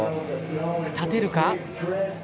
立てるか？